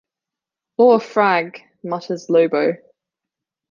"Aw, frag," mutters Lobo.